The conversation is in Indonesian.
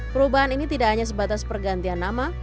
perubahan ini tidak hanya sebatas pergantian nama